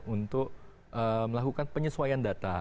untuk melakukan penyesuaian data